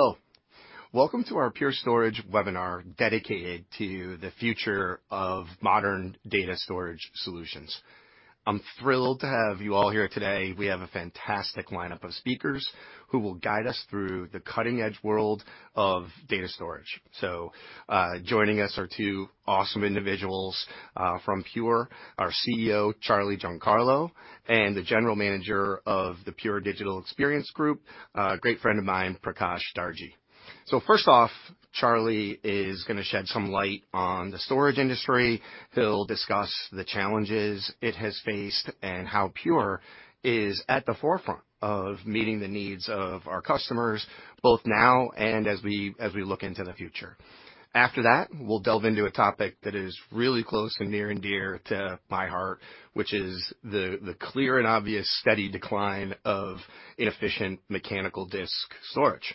Hello. Welcome to our Pure Storage webinar dedicated to the future of modern data storage solutions. I'm thrilled to have you all here today. We have a fantastic lineup of speakers who will guide us through the cutting-edge world of data storage. Joining us are two awesome individuals from Pure, our CEO, Charles Giancarlo, and the General Manager of the Pure Digital Experience Group, a great friend of mine, Prakash Darji. First off, Charles is going to shed some light on the storage industry. He'll discuss the challenges it has faced and how Pure is at the forefront of meeting the needs of our customers both now and as we look into the future. After that, we'll delve into a topic that is really close and near and dear to my heart, which is the clear and obvious steady decline of inefficient mechanical disk storage.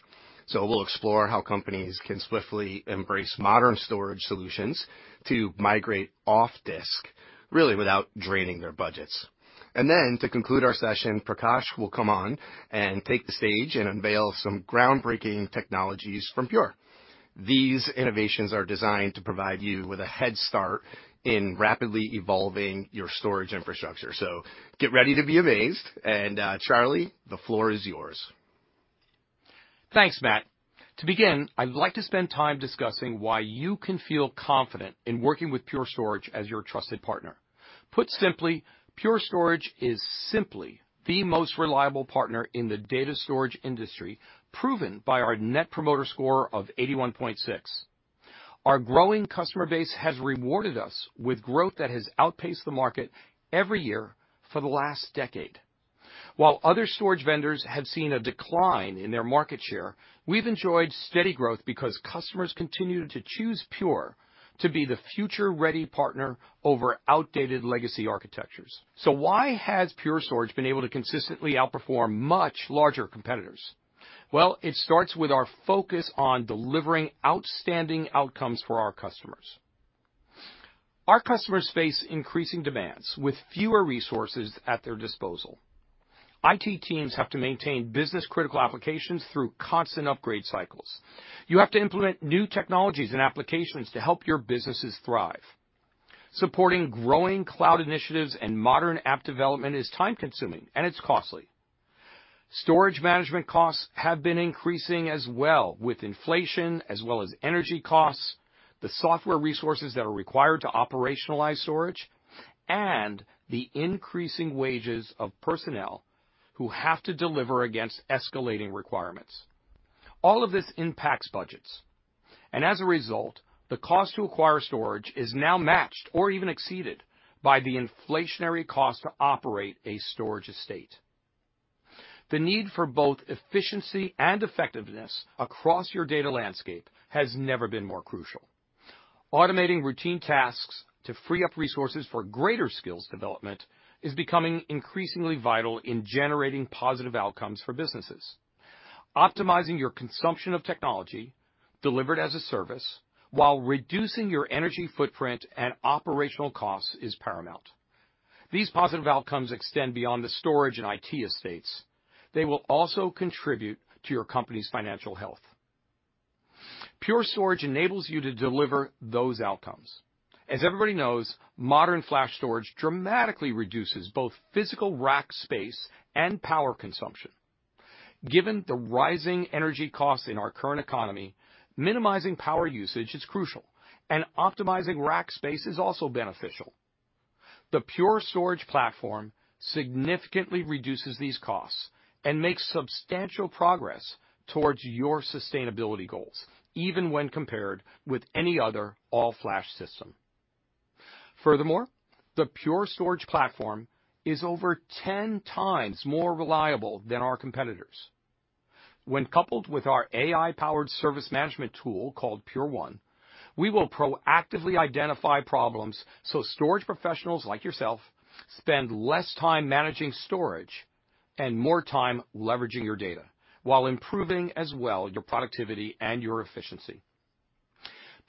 We'll explore how companies can swiftly embrace modern storage solutions to migrate off disk, really without draining their budgets. To conclude our session, Prakash will come on and take the stage and unveil some groundbreaking technologies from Pure. These innovations are designed to provide you with a head start in rapidly evolving your storage infrastructure. Get ready to be amazed, and Charles, the floor is yours. Thanks, Matt. To begin, I'd like to spend time discussing why you can feel confident in working with Pure Storage as your trusted partner. Put simply, Pure Storage is simply the most reliable partner in the data storage industry, proven by our net promoter score of 81.6. Our growing customer base has rewarded us with growth that has outpaced the market every year for the last decade. While other storage vendors have seen a decline in their market share, we've enjoyed steady growth because customers continue to choose Pure to be the future-ready partner over outdated legacy architectures. Why has Pure Storage been able to consistently outperform much larger competitors? Well, it starts with our focus on delivering outstanding outcomes for our customers. Our customers face increasing demands with fewer resources at their disposal. IT teams have to maintain business-critical applications through constant upgrade cycles. You have to implement new technologies and applications to help your businesses thrive. Supporting growing cloud initiatives and modern app development is time-consuming, and it's costly. Storage management costs have been increasing as well with inflation as well as energy costs, the software resources that are required to operationalize storage, and the increasing wages of personnel who have to deliver against escalating requirements. All of this impacts budgets. As a result, the cost to acquire storage is now matched or even exceeded by the inflationary cost to operate a storage estate. The need for both efficiency and effectiveness across your data landscape has never been more crucial. Automating routine tasks to free up resources for greater skills development is becoming increasingly vital in generating positive outcomes for businesses. Optimizing your consumption of technology delivered as a service while reducing your energy footprint and operational costs is paramount. These positive outcomes extend beyond the storage and IT estates. They will also contribute to your company's financial health. Pure Storage enables you to deliver those outcomes. As everybody knows, modern flash storage dramatically reduces both physical rack space and power consumption. Given the rising energy costs in our current economy, minimizing power usage is crucial, and optimizing rack space is also beneficial. The Pure Storage platform significantly reduces these costs and makes substantial progress towards your sustainability goals, even when compared with any other all-flash system. Furthermore, the Pure Storage platform is over 10 times more reliable than our competitors. When coupled with our AI-powered service management tool called Pure1, we will proactively identify problems so storage professionals like yourself spend less time managing storage and more time leveraging your data while improving as well your productivity and your efficiency.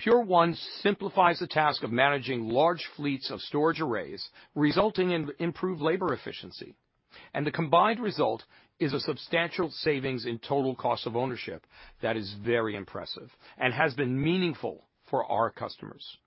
Pure1 simplifies the task of managing large fleets of storage arrays, resulting in improved labor efficiency, and the combined result is a substantial savings in total cost of ownership that is very impressive and has been meaningful for our customers.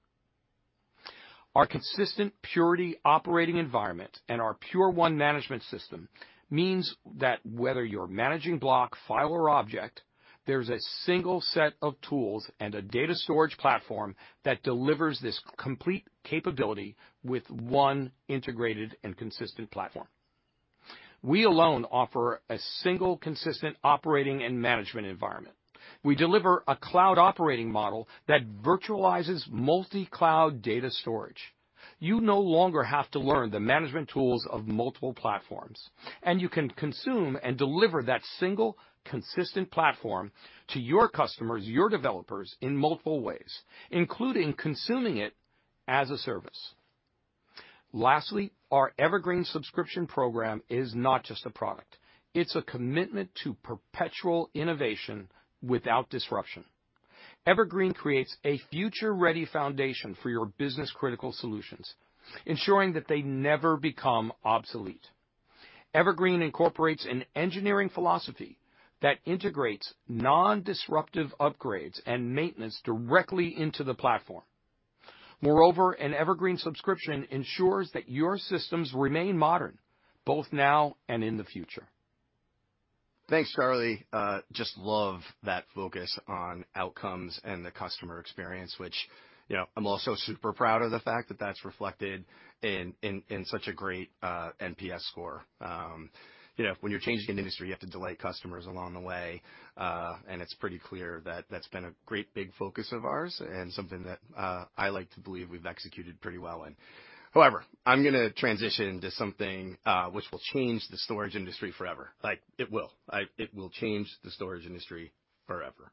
Our consistent Purity operating environment and our Pure1 management system means that whether you're managing block, file, or object, there's a single set of tools and a data storage platform that delivers this complete capability with one integrated and consistent platform. We alone offer a single, consistent operating and management environment. We deliver a cloud operating model that virtualizes multi-cloud data storage. You no longer have to learn the management tools of multiple platforms, and you can consume and deliver that single, consistent platform to your customers, your developers in multiple ways, including consuming it as a service. Lastly, our Evergreen subscription program is not just a product. It's a commitment to perpetual innovation without disruption. Evergreen creates a future-ready foundation for your business-critical solutions, ensuring that they never become obsolete. Evergreen incorporates an engineering philosophy that integrates non-disruptive upgrades and maintenance directly into the platform. Moreover, an Evergreen subscription ensures that your systems remain modern both now and in the future. Thanks, Charlie. Just love that focus on outcomes and the customer experience, which I'm also super proud of the fact that that's reflected in such a great NPS score. When you're changing an industry, you have to delight customers along the way. It's pretty clear that that's been a great big focus of ours and something that I like to believe we've executed pretty well in. However, I'm going to transition into something which will change the storage industry forever. It will. It will change the storage industry forever.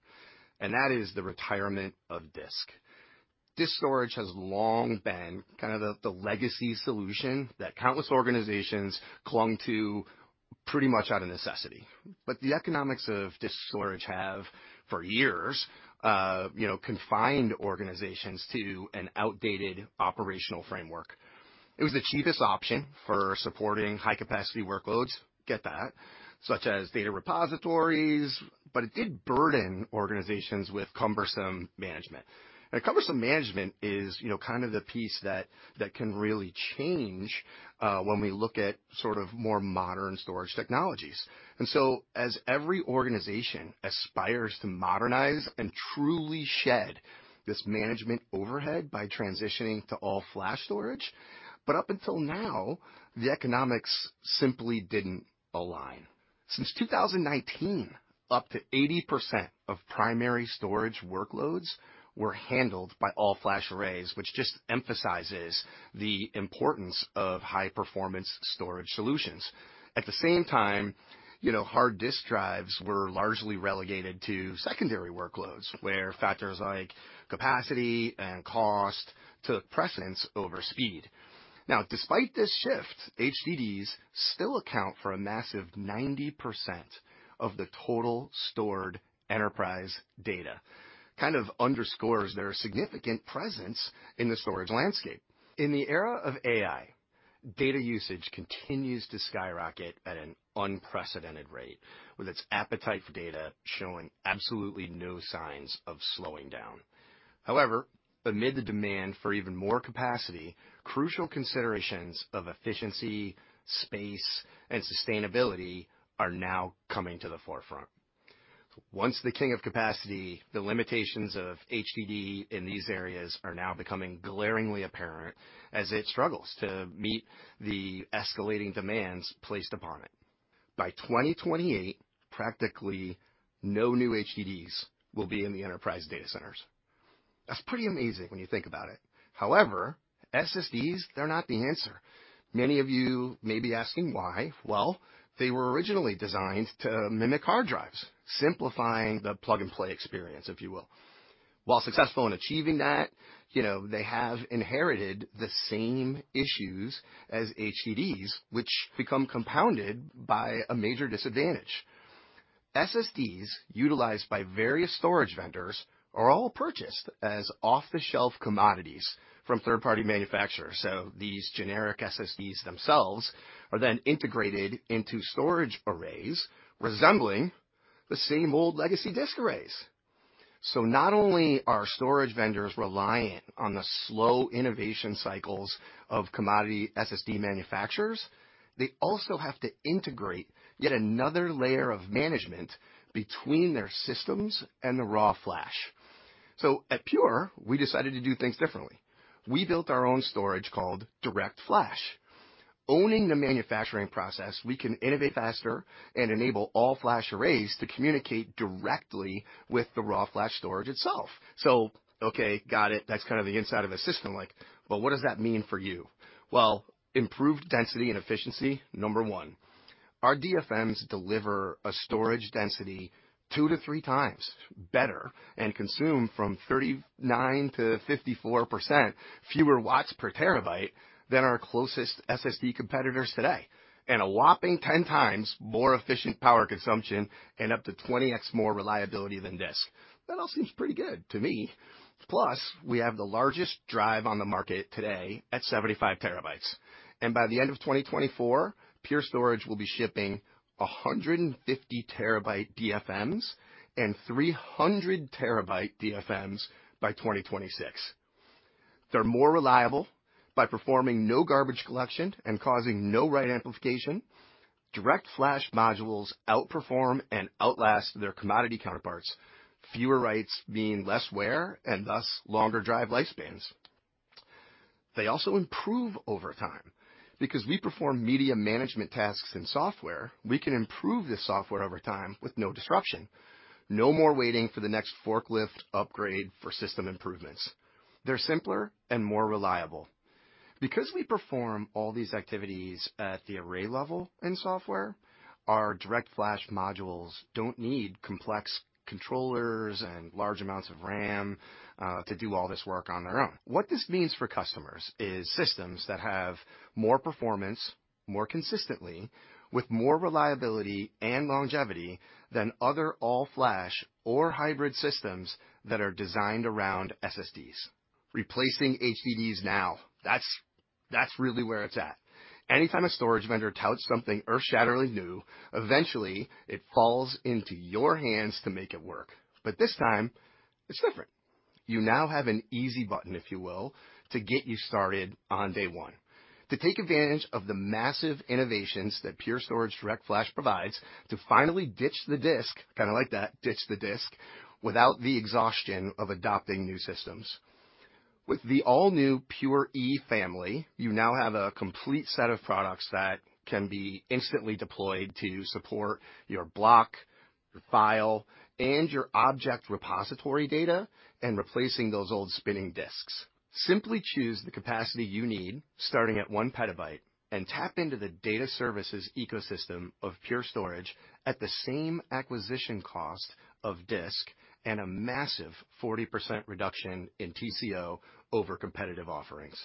That is the retirement of disk. Disk storage has long been the legacy solution that countless organizations clung to pretty much out of necessity. The economics of disk storage have, for years, confined organizations to an outdated operational framework. It was the cheapest option for supporting high-capacity workloads, get that, such as data repositories. It did burden organizations with cumbersome management. Cumbersome management is the piece that can really change when we look at more modern storage technologies. As every organization aspires to modernize and truly shed this management overhead by transitioning to all-flash storage. Up until now, the economics simply didn't align. Since 2019, up to 80% of primary storage workloads were handled by all-flash arrays, which just emphasizes the importance of high-performance storage solutions. At the same time, hard disk drives were largely relegated to secondary workloads, where factors like capacity and cost took precedence over speed. Despite this shift, HDDs still account for a massive 90% of the total stored enterprise data. Kind of underscores their significant presence in the storage landscape. In the era of AI, data usage continues to skyrocket at an unprecedented rate, with its appetite for data showing absolutely no signs of slowing down. Amid the demand for even more capacity, crucial considerations of efficiency, space, and sustainability are now coming to the forefront. Once the king of capacity, the limitations of HDD in these areas are now becoming glaringly apparent as it struggles to meet the escalating demands placed upon it. By 2028, practically no new HDDs will be in the enterprise data centers. That's pretty amazing when you think about it. SSDs, they're not the answer. Many of you may be asking why. They were originally designed to mimic hard drives, simplifying the plug-and-play experience, if you will. While successful in achieving that, they have inherited the same issues as HDDs, which become compounded by a major disadvantage. SSDs utilized by various storage vendors are all purchased as off-the-shelf commodities from third-party manufacturers. These generic SSDs themselves are then integrated into storage arrays resembling the same old legacy disk arrays. Not only are storage vendors reliant on the slow innovation cycles of commodity SSD manufacturers, they also have to integrate yet another layer of management between their systems and the raw flash. At Pure, we decided to do things differently. We built our own storage called DirectFlash. Owning the manufacturing process, we can innovate faster and enable all-flash arrays to communicate directly with the raw flash storage itself. Okay, got it. That's kind of the inside of a system like. What does that mean for you? Improved density and efficiency, number one. Our DFMs deliver a storage density two to three times better and consume from 39%-54% fewer watts per terabyte than our closest SSD competitors today, and a whopping 10 times more efficient power consumption and up to 20x more reliability than disk. That all seems pretty good to me. We have the largest drive on the market today at 75 terabytes. By the end of 2024, Pure Storage will be shipping 150-terabyte DFMs and 300-terabyte DFMs by 2026. They're more reliable by performing no garbage collection and causing no write amplification. DirectFlash modules outperform and outlast their commodity counterparts, fewer writes mean less wear, and thus longer drive lifespans. They also improve over time. We perform media management tasks in software, we can improve this software over time with no disruption. No more waiting for the next forklift upgrade for system improvements. They're simpler and more reliable. Because we perform all these activities at the array level in software, our DirectFlash Modules don't need complex controllers and large amounts of RAM to do all this work on their own. What this means for customers is systems that have more performance, more consistently, with more reliability and longevity than other all-flash or hybrid systems that are designed around SSDs. Replacing HDDs now, That's really where it's at. Anytime a storage vendor touts something earth-shatteringly new, eventually it falls into your hands to make it work. This time, it's different. You now have an easy button, if you will, to get you started on day one. To take advantage of the massive innovations that Pure Storage DirectFlash provides to finally ditch the disk, kind of like that, "ditch the disk," without the exhaustion of adopting new systems. With the all-new Pure//E family, you now have a complete set of products that can be instantly deployed to support your block, your file, and your object repository data, and replacing those old spinning disks. Simply choose the capacity you need, starting at one petabyte, and tap into the data services ecosystem of Pure Storage at the same acquisition cost of disk and a massive 40% reduction in TCO over competitive offerings.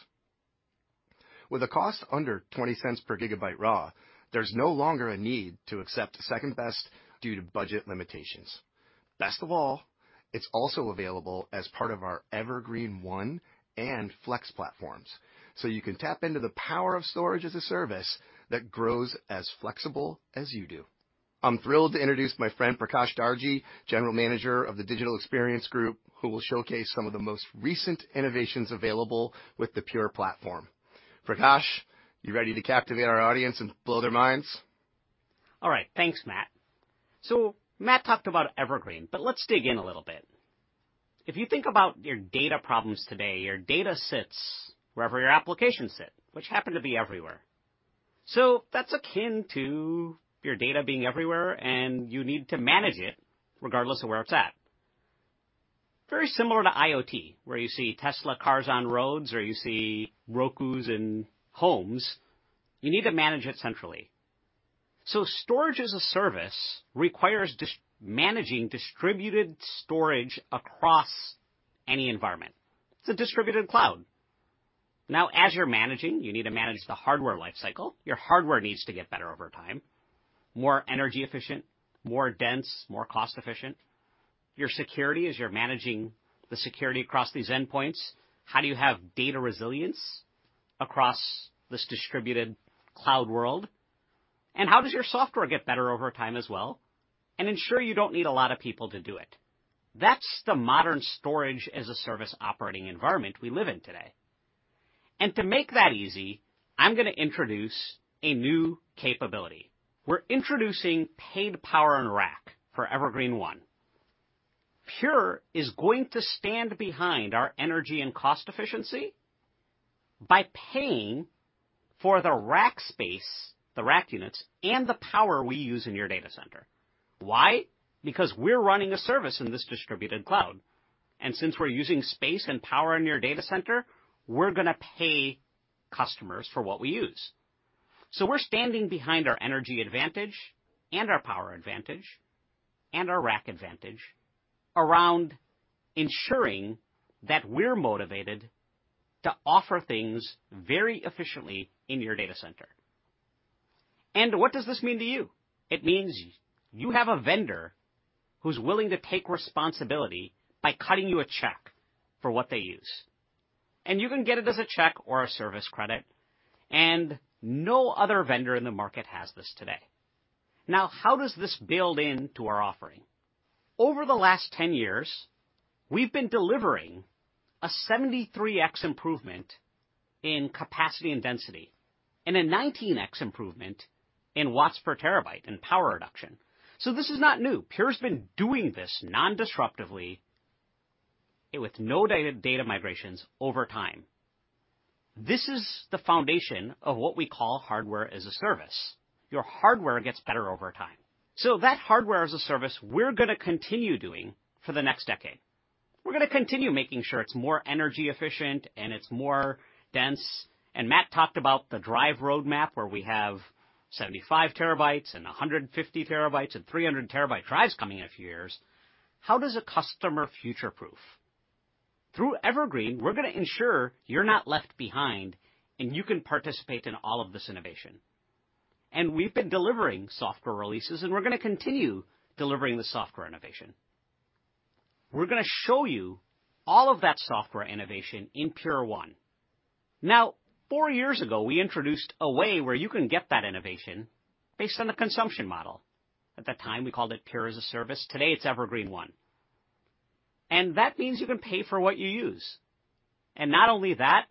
With a cost under $0.20 per gigabyte raw, there's no longer a need to accept second best due to budget limitations. Best of all, it's also available as part of our Evergreen//One and Flex platforms. You can tap into the power of storage as a service that grows as flexible as you do. I'm thrilled to introduce my friend, Prakash Darji, General Manager of the Digital Experience Group, who will showcase some of the most recent innovations available with the Pure platform. Prakash, you ready to captivate our audience and blow their minds? All right. Thanks, Matt. Matt talked about Evergreen, let's dig in a little bit. If you think about your data problems today, your data sits wherever your applications sit, which happen to be everywhere. That's akin to your data being everywhere, and you need to manage it regardless of where it's at. Very similar to IoT, where you see Tesla cars on roads, or you see Rokus in homes. You need to manage it centrally. Storage as a service requires managing distributed storage across any environment. It's a distributed cloud. As you're managing, you need to manage the hardware life cycle. Your hardware needs to get better over time, more energy efficient, more dense, more cost efficient. Your security, as you're managing the security across these endpoints, how do you have data resilience across this distributed cloud world? How does your software get better over time as well, and ensure you don't need a lot of people to do it? That's the modern storage as a service operating environment we live in today. To make that easy, I'm going to introduce a new capability. We're introducing Paid Power and Rack for Evergreen//One. Pure is going to stand behind our energy and cost efficiency by paying for the rack space, the rack units, and the power we use in your data center. Why? Because we're running a service in this distributed cloud, and since we're using space and power in your data center, we're going to pay customers for what we use. We're standing behind our energy advantage and our power advantage and our rack advantage around ensuring that we're motivated to offer things very efficiently in your data center. What does this mean to you? It means you have a vendor who's willing to take responsibility by cutting you a check for what they use. You can get it as a check or a service credit, and no other vendor in the market has this today. How does this build into our offering? Over the last 10 years, we've been delivering a 73x improvement in capacity and density and a 19x improvement in watts per terabyte in power reduction. This is not new. Pure has been doing this non-disruptively with no data migrations over time. This is the foundation of what we call hardware-as-a-service. Your hardware gets better over time. That hardware-as-a-service, we're going to continue doing for the next decade. We're going to continue making sure it's more energy efficient and it's more dense. Matt talked about the drive roadmap, where we have 75 terabytes and 150 terabytes and 300 terabyte drives coming in a few years. How does a customer future-proof? Through Evergreen, we're going to ensure you're not left behind and you can participate in all of this innovation. We've been delivering software releases, and we're going to continue delivering the software innovation. We're going to show you all of that software innovation in Pure1. Four years ago, we introduced a way where you can get that innovation based on the consumption model. At that time, we called it Pure as-a-Service. Today, it's Evergreen//One. That means you can pay for what you use. Not only that,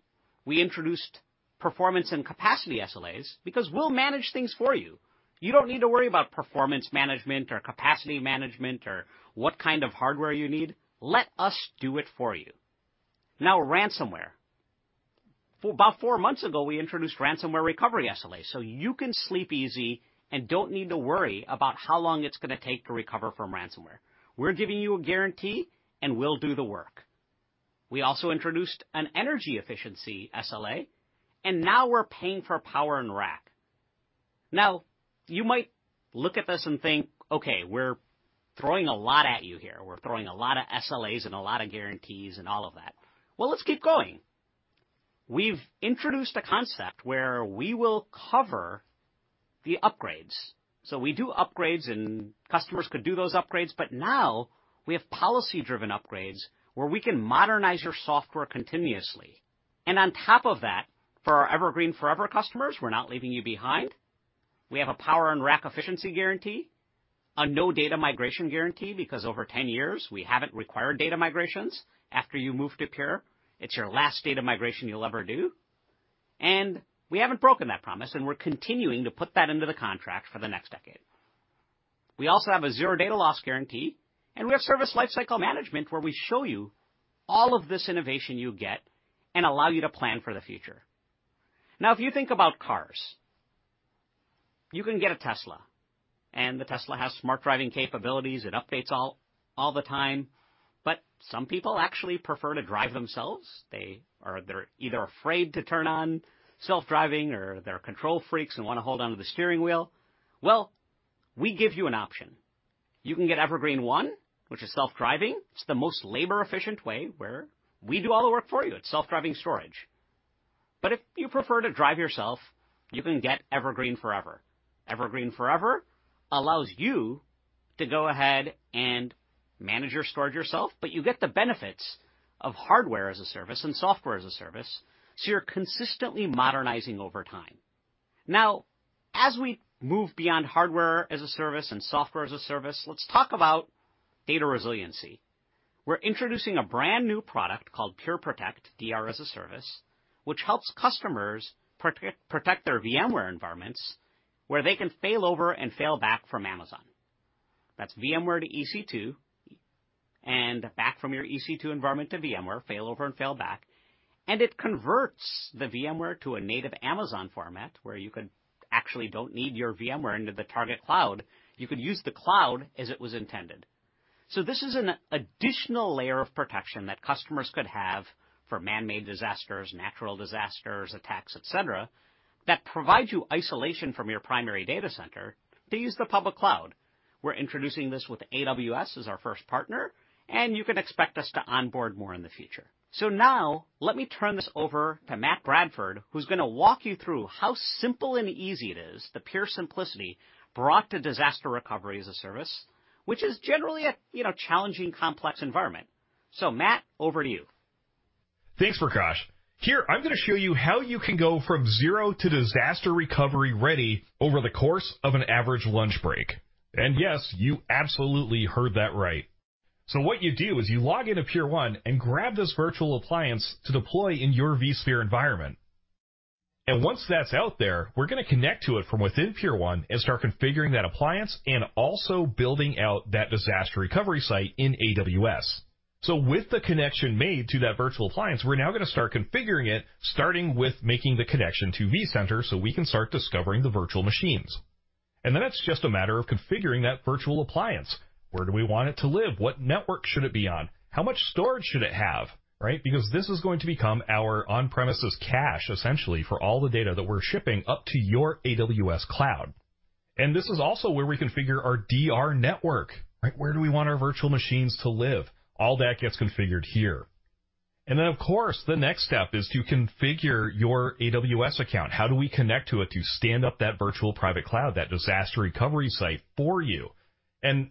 we introduced performance and capacity SLAs because we'll manage things for you. You don't need to worry about performance management or capacity management or what kind of hardware you need. Let us do it for you. Ransomware. About four months ago, we introduced ransomware recovery SLA. You can sleep easy and don't need to worry about how long it's going to take to recover from ransomware. We're giving you a guarantee, and we'll do the work. We also introduced an energy efficiency SLA, and now we're paying for power and rack. You might look at this and think, "Okay, we're throwing a lot at you here. We're throwing a lot of SLAs and a lot of guarantees and all of that." Let's keep going. We've introduced a concept where we will cover the upgrades. We do upgrades and customers could do those upgrades, but now we have policy-driven upgrades where we can modernize your software continuously. On top of that, for our Evergreen//Forever customers, we are not leaving you behind. We have a power and rack efficiency guarantee, a no data migration guarantee because over 10 years we have not required data migrations. After you move to Pure, it is your last data migration you will ever do. We have not broken that promise, and we are continuing to put that into the contract for the next decade. We also have a zero data loss guarantee, and we have service lifecycle management where we show you all of this innovation you get and allow you to plan for the future. If you think about cars, you can get a Tesla, and the Tesla has smart driving capabilities. It updates all the time. But some people actually prefer to drive themselves. They are either afraid to turn on self-driving or they are control freaks and want to hold onto the steering wheel. We give you an option. You can get Evergreen//One, which is self-driving. It is the most labor-efficient way where we do all the work for you. It is self-driving storage. But if you prefer to drive yourself, you can get Evergreen//Forever. Evergreen//Forever allows you to go ahead and manage your storage yourself, but you get the benefits of hardware as a service and software as a service, so you are consistently modernizing over time. As we move beyond hardware as a service and software as a service, let us talk about data resiliency. We are introducing a brand-new product called Pure Protect DR as a Service, which helps customers protect their VMware environments where they can fail over and fail back from Amazon. That is VMware to EC2 and back from your EC2 environment to VMware, fail over and fail back. It converts the VMware to a native Amazon format where you could actually don't need your VMware into the target cloud. You could use the cloud as it was intended. This is an additional layer of protection that customers could have for man-made disasters, natural disasters, attacks, et cetera, that provide you isolation from your primary data center to use the public cloud. We are introducing this with AWS as our first partner, and you can expect us to onboard more in the future. Let me turn this over to Matt Bradford, who is going to walk you through how simple and easy it is, the Pure simplicity brought to disaster recovery as a service, which is generally a challenging, complex environment. Matt, over to you. Thanks, Prakash. Here, I am going to show you how you can go from zero to disaster recovery ready over the course of an average lunch break. Yes, you absolutely heard that right. What you do is you log into Pure1 and grab this virtual appliance to deploy in your vSphere environment. Once that is out there, we are going to connect to it from within Pure1 and start configuring that appliance and also building out that disaster recovery site in AWS. With the connection made to that virtual appliance, we are now going to start configuring it, starting with making the connection to vCenter so we can start discovering the virtual machines. Then it is just a matter of configuring that virtual appliance. Where do we want it to live? What network should it be on? How much storage should it have? Right? This is going to become our on-premises cache, essentially, for all the data that we're shipping up to your AWS cloud. This is also where we configure our DR network. Where do we want our virtual machines to live? All that gets configured here. Then, of course, the next step is to configure your AWS account. How do we connect to it to stand up that virtual private cloud, that disaster recovery site for you?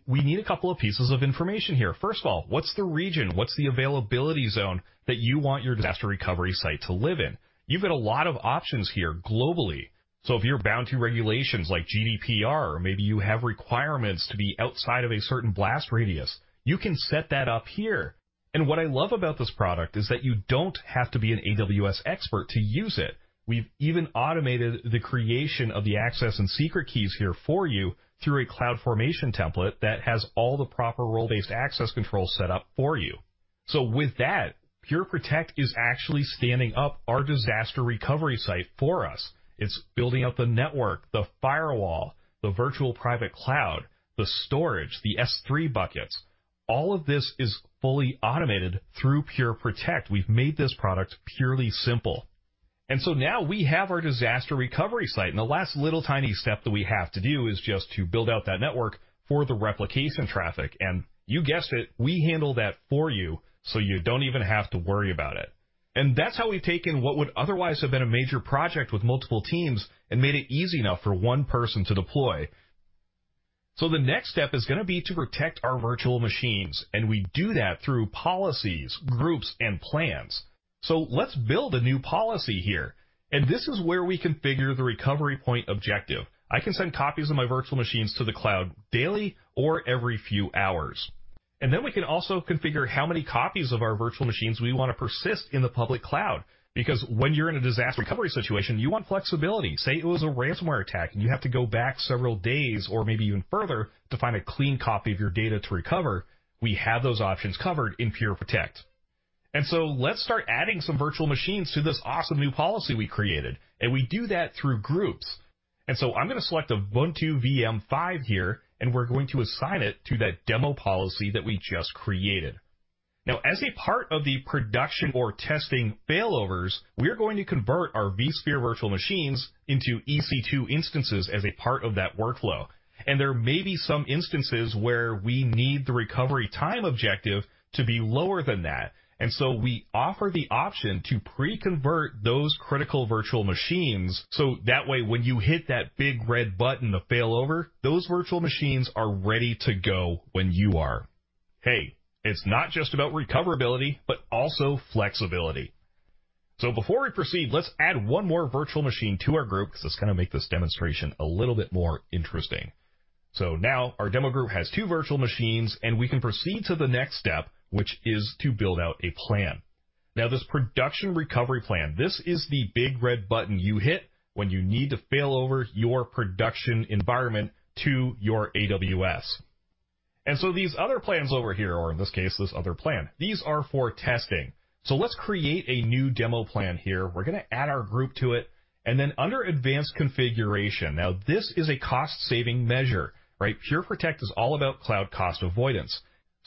We need a couple of pieces of information here. First of all, what's the region? What's the availability zone that you want your disaster recovery site to live in? You've got a lot of options here globally. If you're bound to regulations like GDPR, or maybe you have requirements to be outside of a certain blast radius, you can set that up here. What I love about this product is that you don't have to be an AWS expert to use it. We've even automated the creation of the access and secret keys here for you through a CloudFormation template that has all the proper role-based access controls set up for you. With that, Pure Protect is actually standing up our disaster recovery site for us. It's building out the network, the firewall, the virtual private cloud, the storage, the S3 buckets. All of this is fully automated through Pure Protect. We've made this product purely simple. Now we have our disaster recovery site, and the last little tiny step that we have to do is just to build out that network for the replication traffic. You guessed it, we handle that for you so you don't even have to worry about it. That's how we've taken what would otherwise have been a major project with multiple teams and made it easy enough for one person to deploy. The next step is going to be to protect our virtual machines, and we do that through policies, groups, and plans. Let's build a new policy here. This is where we configure the recovery point objective. I can send copies of my virtual machines to the cloud daily or every few hours. Then we can also configure how many copies of our virtual machines we want to persist in the public cloud. When you're in a disaster recovery situation, you want flexibility. Say it was a ransomware attack, and you have to go back several days or maybe even further to find a clean copy of your data to recover, we have those options covered in Pure Protect. Let's start adding some virtual machines to this awesome new policy we created, and we do that through groups. I'm going to select Ubuntu VM 5 here, and we're going to assign it to that demo policy that we just created. Now, as a part of the production or testing failovers, we are going to convert our vSphere virtual machines into EC2 instances as a part of that workflow. There may be some instances where we need the recovery time objective to be lower than that. We offer the option to pre-convert those critical virtual machines, so that way, when you hit that big red button to fail over, those virtual machines are ready to go when you are. Hey, it's not just about recoverability, but also flexibility. Before we proceed, let's add one more virtual machine to our group because it's going to make this demonstration a little bit more interesting. Our demo group has two virtual machines, and we can proceed to the next step, which is to build out a plan. This production recovery plan, this is the big red button you hit when you need to fail over your production environment to your AWS. These other plans over here, or in this case, this other plan, these are for testing. Let's create a new demo plan here. We're going to add our group to it, and then under advanced configuration. This is a cost-saving measure, right? Pure Protect is all about cloud cost avoidance.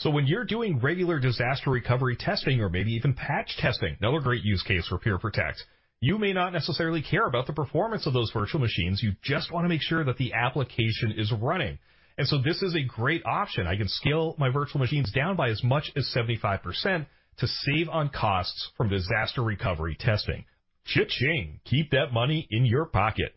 When you're doing regular disaster recovery testing or maybe even patch testing, another great use case for Pure Protect, you may not necessarily care about the performance of those virtual machines. You just want to make sure that the application is running. This is a great option. I can scale my virtual machines down by as much as 75% to save on costs from disaster recovery testing. Cha-ching. Keep that money in your pocket.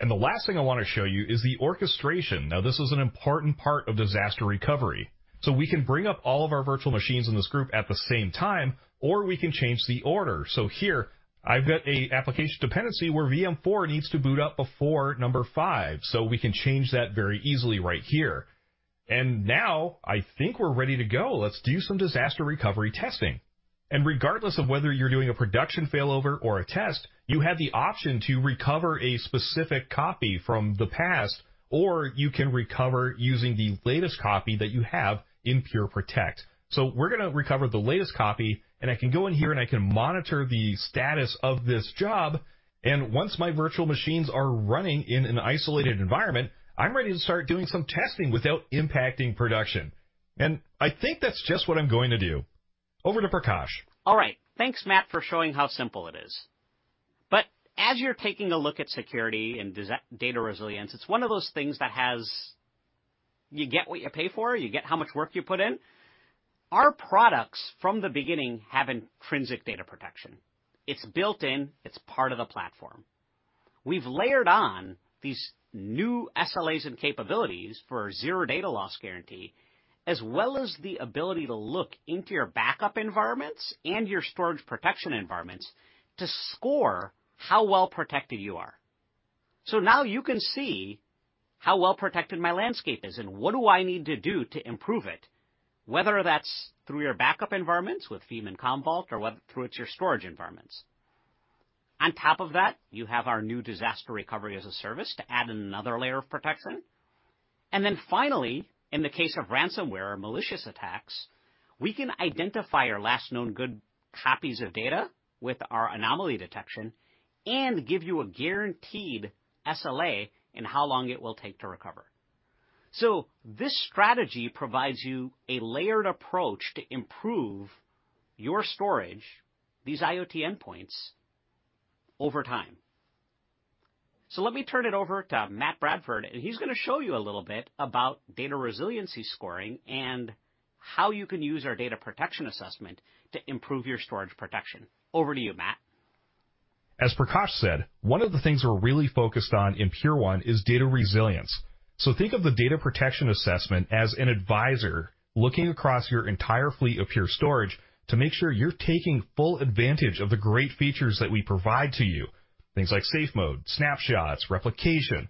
The last thing I want to show you is the orchestration. This is an important part of disaster recovery. We can bring up all of our virtual machines in this group at the same time, or we can change the order. Here I've got an application dependency where VM4 needs to boot up before number 5. We can change that very easily right here. Now I think we're ready to go. Let's do some disaster recovery testing. Regardless of whether you're doing a production failover or a test, you have the option to recover a specific copy from the past, or you can recover using the latest copy that you have in Pure Protect. We're going to recover the latest copy, and I can go in here, and I can monitor the status of this job. Once my virtual machines are running in an isolated environment, I'm ready to start doing some testing without impacting production. I think that's just what I'm going to do. Over to Prakash. All right. Thanks, Matt, for showing how simple it is. As you're taking a look at security and data resilience, it's one of those things. You get what you pay for. You get how much work you put in. Our products from the beginning have intrinsic data protection. It's built in. It's part of the platform. We've layered on these new SLAs and capabilities for zero data loss guarantee, as well as the ability to look into your backup environments and your storage protection environments to score how well-protected you are. Now you can see how well-protected my landscape is and what do I need to do to improve it, whether that's through your backup environments with Veeam and Commvault or through your storage environments. On top of that, you have our new disaster recovery-as-a-service to add another layer of protection. Finally, in the case of ransomware or malicious attacks, we can identify your last known good copies of data with our anomaly detection and give you a guaranteed SLA in how long it will take to recover. This strategy provides you a layered approach to improve your storage, these IoT endpoints over time. Let me turn it over to Matt Bradford, and he's going to show you a little bit about data resiliency scoring and how you can use our data protection assessment to improve your storage protection. Over to you, Matt. As Prakash said, one of the things we're really focused on in Pure1 is data resilience. Think of the data protection assessment as an advisor looking across your entire fleet of Pure Storage to make sure you're taking full advantage of the great features that we provide to you, things like SafeMode, snapshots, replication.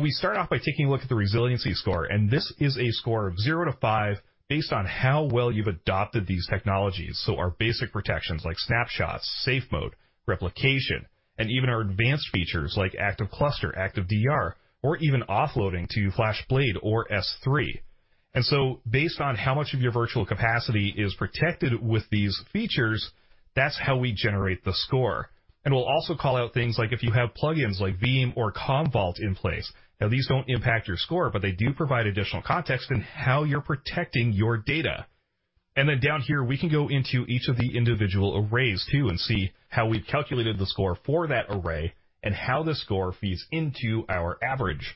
We start off by taking a look at the resiliency score, and this is a score of zero to five based on how well you've adopted these technologies. Our basic protections like snapshots, SafeMode, replication, and even our advanced features like ActiveCluster, ActiveDR, or even offloading to FlashBlade or S3. Based on how much of your virtual capacity is protected with these features, that's how we generate the score. We'll also call out things like if you have plug-ins like Veeam or Commvault in place. These don't impact your score, but they do provide additional context in how you're protecting your data. Down here, we can go into each of the individual arrays too and see how we've calculated the score for that array and how the score feeds into our average.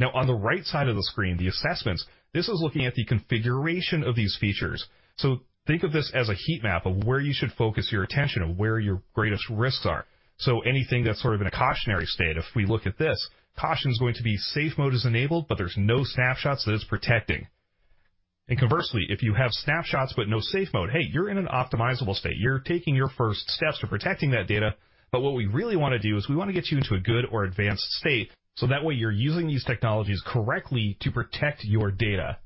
On the right side of the screen, the assessments, this is looking at the configuration of these features. Think of this as a heat map of where you should focus your attention and where your greatest risks are. Anything that's sort of in a cautionary state, if we look at this, caution is going to be SafeMode is enabled, but there's no snapshots that it's protecting. Conversely, if you have snapshots but no SafeMode, hey, you're in an optimizable state. You're taking your first steps to protecting that data. What we really want to do is we want to get you into a good or advanced state, so that way you're using these technologies correctly to protect your data.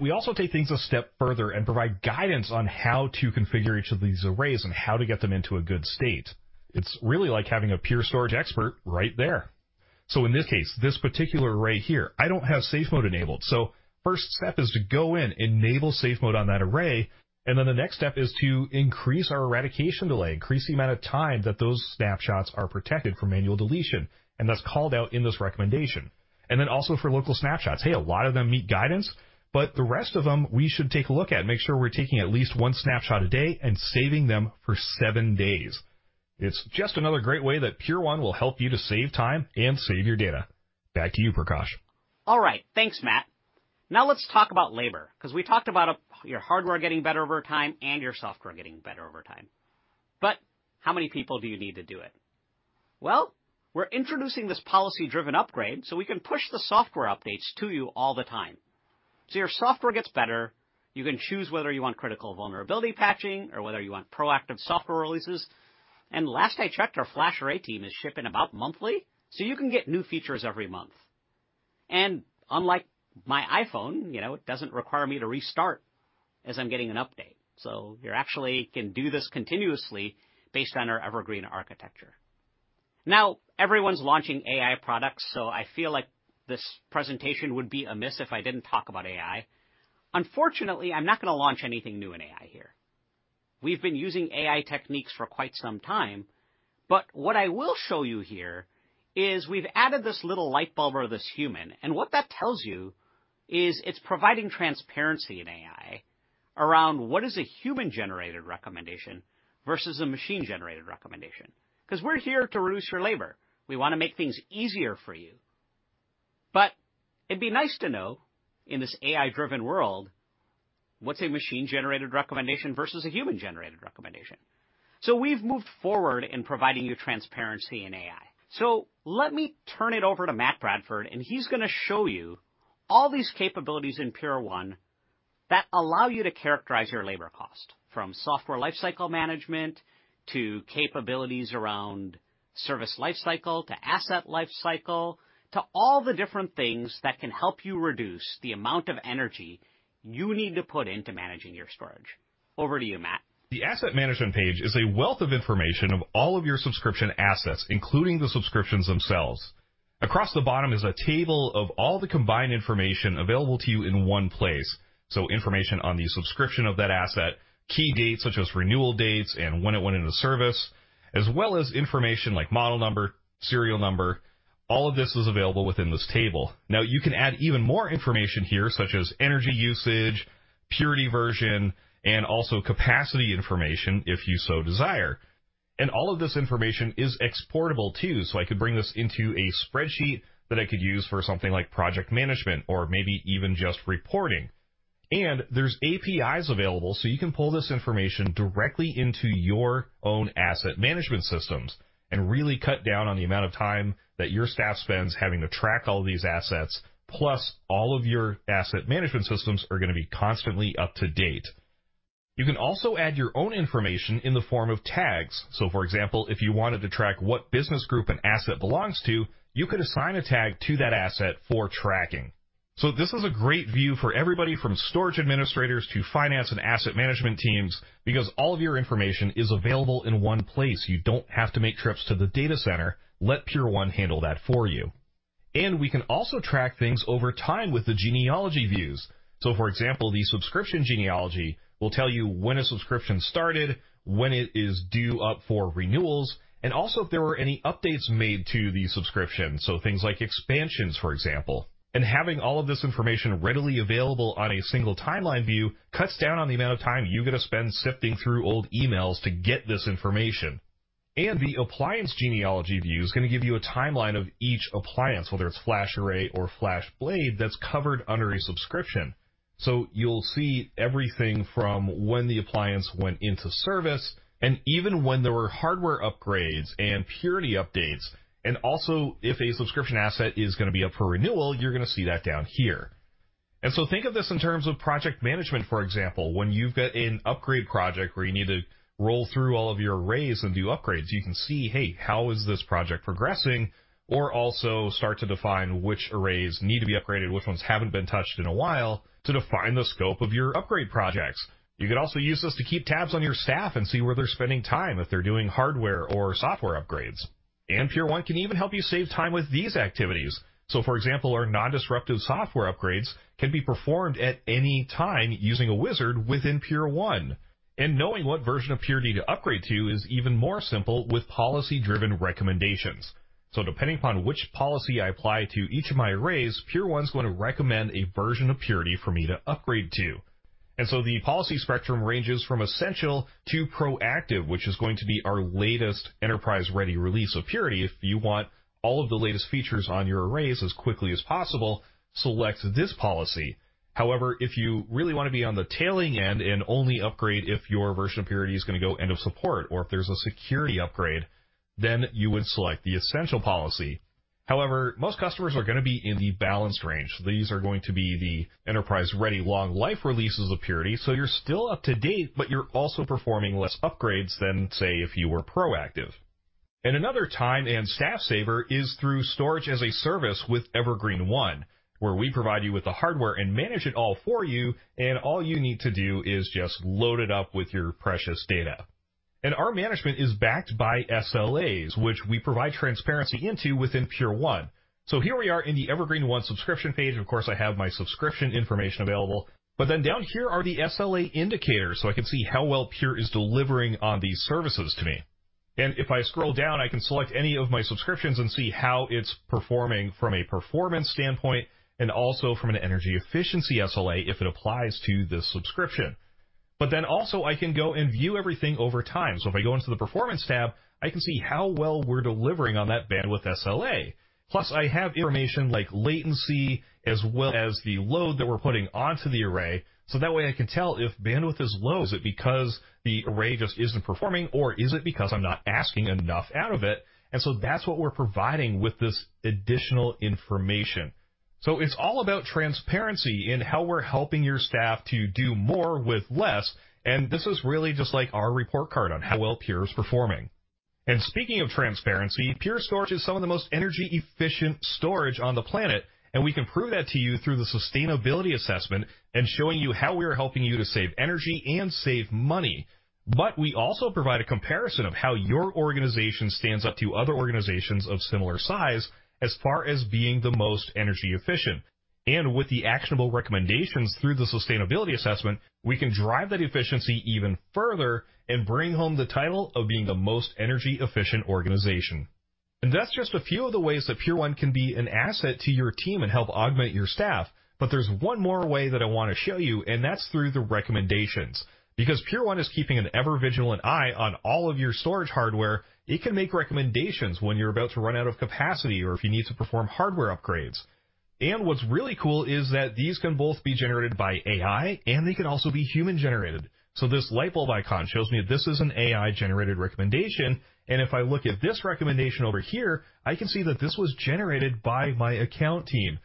We also take things a step further and provide guidance on how to configure each of these arrays and how to get them into a good state. It's really like having a Pure Storage expert right there. In this case, this particular array here, I don't have SafeMode enabled. First step is to go in, enable SafeMode on that array, the next step is to increase our eradication delay, increase the amount of time that those snapshots are protected from manual deletion, and that's called out in this recommendation. Also for local snapshots, hey, a lot of them meet guidance, but the rest of them, we should take a look at and make sure we're taking at least one snapshot a day and saving them for seven days. It's just another great way that Pure1 will help you to save time and save your data. Back to you, Prakash. All right. Thanks, Matt. Let's talk about labor, because we talked about your hardware getting better over time and your software getting better over time. How many people do you need to do it? Well, we're introducing this policy-driven upgrade so we can push the software updates to you all the time. Your software gets better. You can choose whether you want critical vulnerability patching or whether you want proactive software releases. Last I checked, our FlashArray team is shipping about monthly, so you can get new features every month. Unlike my iPhone, it doesn't require me to restart as I'm getting an update. You actually can do this continuously based on our Evergreen architecture. Everyone's launching AI products, so I feel like this presentation would be amiss if I didn't talk about AI. Unfortunately, I'm not going to launch anything new in AI here. We've been using AI techniques for quite some time, but what I will show you here is we've added this little light bulb or this human, and what that tells you is it's providing transparency in AI around what is a human-generated recommendation versus a machine-generated recommendation. We're here to reduce your labor. We want to make things easier for you. It'd be nice to know, in this AI-driven world, what's a machine-generated recommendation versus a human-generated recommendation. We've moved forward in providing you transparency in AI. Let me turn it over to Matt Bradford, and he's going to show you all these capabilities in Pure1 that allow you to characterize your labor cost, from software lifecycle management, to capabilities around service lifecycle, to asset lifecycle, to all the different things that can help you reduce the amount of energy you need to put into managing your storage. Over to you, Matt. The asset management page is a wealth of information of all of your subscription assets, including the subscriptions themselves. Across the bottom is a table of all the combined information available to you in one place. Information on the subscription of that asset, key dates such as renewal dates and when it went into service, as well as information like model number, serial number. All of this is available within this table. Now, you can add even more information here, such as energy usage, Purity version, and also capacity information if you so desire. All of this information is exportable too. I could bring this into a spreadsheet that I could use for something like project management or maybe even just reporting. APIs available, you can pull this information directly into your own asset management systems and really cut down on the amount of time that your staff spends having to track all these assets. Plus, all of your asset management systems are going to be constantly up to date. You can also add your own information in the form of tags. For example, if you wanted to track what business group an asset belongs to, you could assign a tag to that asset for tracking. This is a great view for everybody from storage administrators to finance and asset management teams because all of your information is available in one place. You don't have to make trips to the data center. Let Pure1 handle that for you. We can also track things over time with the genealogy views. For example, the subscription genealogy will tell you when a subscription started, when it is due up for renewals, and also if there were any updates made to the subscription, things like expansions, for example. Having all of this information readily available on a single timeline view cuts down on the amount of time you've got to spend sifting through old emails to get this information. The appliance genealogy view is going to give you a timeline of each appliance, whether it's FlashArray or FlashBlade, that's covered under a subscription. You'll see everything from when the appliance went into service and even when there were hardware upgrades and Purity updates. Also, if a subscription asset is going to be up for renewal, you're going to see that down here. Think of this in terms of project management, for example. When you've got an upgrade project where you need to roll through all of your arrays and do upgrades, you can see, hey, how is this project progressing? Also start to define which arrays need to be upgraded, which ones haven't been touched in a while to define the scope of your upgrade projects. You could also use this to keep tabs on your staff and see where they're spending time if they're doing hardware or software upgrades. Pure1 can even help you save time with these activities. For example, our non-disruptive software upgrades can be performed at any time using a wizard within Pure1. Knowing what version of Purity to upgrade to is even more simple with policy-driven recommendations. Depending upon which policy I apply to each of my arrays, Pure1's going to recommend a version of Purity for me to upgrade to. The policy spectrum ranges from essential to proactive, which is going to be our latest enterprise-ready release of Purity. If you want all of the latest features on your arrays as quickly as possible, select this policy. If you really want to be on the tailing end and only upgrade if your version of Purity is going to go end of support or if there's a security upgrade, you would select the essential policy. Most customers are going to be in the balanced range. These are going to be the enterprise-ready long life releases of Purity. You're still up to date, but you're also performing less upgrades than, say, if you were proactive. Another time and staff saver is through storage as a service with Evergreen//One, where we provide you with the hardware and manage it all for you, and all you need to do is just load it up with your precious data. Our management is backed by SLAs, which we provide transparency into within Pure1. Here we are in the Evergreen//One subscription page. Of course, I have my subscription information available. Down here are the SLA indicators, so I can see how well Pure is delivering on these services to me. If I scroll down, I can select any of my subscriptions and see how it's performing from a performance standpoint and also from an energy efficiency SLA if it applies to this subscription. Also, I can go and view everything over time. If I go into the Performance tab, I can see how well we're delivering on that bandwidth SLA. Plus, I have information like latency as well as the load that we're putting onto the array, so that way I can tell if bandwidth is low. Is it because the array just isn't performing, or is it because I'm not asking enough out of it? That's what we're providing with this additional information. It's all about transparency in how we're helping your staff to do more with less, and this is really just like our report card on how well Pure's performing. Speaking of transparency, Pure Storage is some of the most energy efficient storage on the planet, and we can prove that to you through the sustainability assessment and showing you how we are helping you to save energy and save money. We also provide a comparison of how your organization stands up to other organizations of similar size as far as being the most energy efficient. With the actionable recommendations through the sustainability assessment, we can drive that efficiency even further and bring home the title of being the most energy efficient organization. That's just a few of the ways that Pure1 can be an asset to your team and help augment your staff. There's one more way that I want to show you, and that's through the recommendations. Because Pure1 is keeping an ever vigilant eye on all of your storage hardware, it can make recommendations when you're about to run out of capacity or if you need to perform hardware upgrades. What's really cool is that these can both be generated by AI, and they can also be human generated. This light bulb icon shows me that this is an AI generated recommendation. If I look at this recommendation over here, I can see that this was generated by my account team.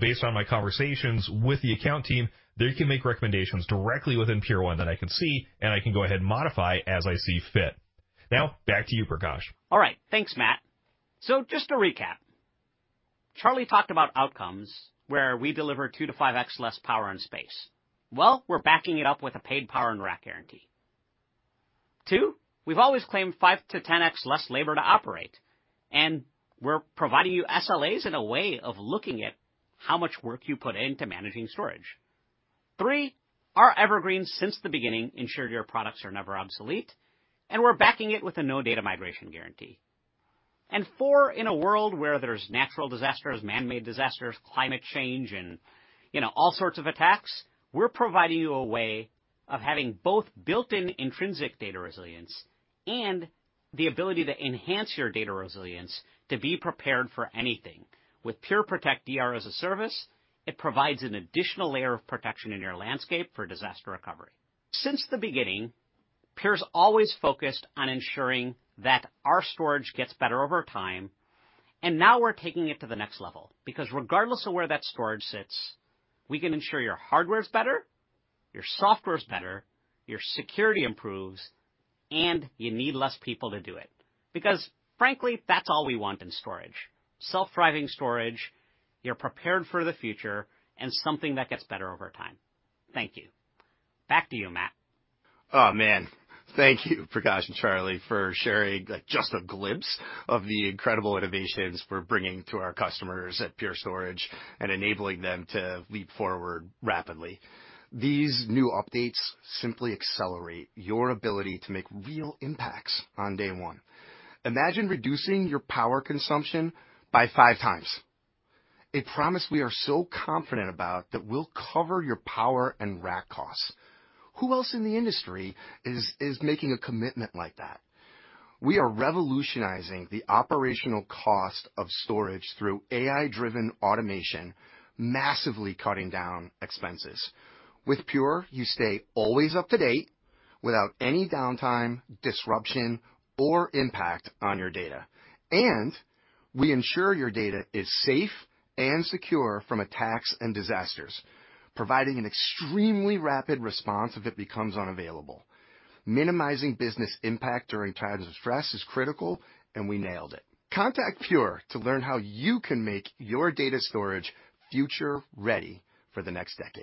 Based on my conversations with the account team, they can make recommendations directly within Pure1 that I can see, and I can go ahead and modify as I see fit. Now back to you, Prakash. All right. Thanks, Matt. Just to recap, Charlie talked about outcomes where we deliver 2 to 5x less power and space. Well, we're backing it up with a Paid Power and Rack guarantee. 2, we've always claimed 5 to 10x less labor to operate, and we're providing you SLAs in a way of looking at how much work you put into managing storage. 3, our Evergreen since the beginning ensured your products are never obsolete, and we're backing it with a no data migration guarantee. 4, in a world where there's natural disasters, man-made disasters, climate change, and all sorts of attacks, we're providing you a way of having both built-in intrinsic data resilience and the ability to enhance your data resilience to be prepared for anything. With Pure Protect DR as a Service, it provides an additional layer of protection in your landscape for disaster recovery. Since the beginning, Pure's always focused on ensuring that our storage gets better over time, and now we're taking it to the next level. Regardless of where that storage sits, we can ensure your hardware's better, your software's better, your security improves, and you need less people to do it. Frankly, that's all we want in storage. Self-thriving storage, you're prepared for the future, and something that gets better over time. Thank you. Back to you, Matt. Oh, man. Thank you, Prakash and Charlie, for sharing just a glimpse of the incredible innovations we're bringing to our customers at Pure Storage and enabling them to leap forward rapidly. These new updates simply accelerate your ability to make real impacts on day one. Imagine reducing your power consumption by 5 times. A promise we are so confident about that we'll cover your power and rack costs. Who else in the industry is making a commitment like that? We are revolutionizing the operational cost of storage through AI-driven automation, massively cutting down expenses. With Pure, you stay always up to date without any downtime, disruption, or impact on your data. We ensure your data is safe and secure from attacks and disasters, providing an extremely rapid response if it becomes unavailable. Minimizing business impact during times of stress is critical, and we nailed it. Contact Pure to learn how you can make your data storage future ready for the next decade.